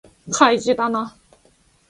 開示だな